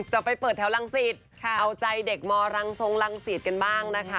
จะไปเปิดแถวรังสิตเอาใจเด็กมรังทรงรังสิตกันบ้างนะคะ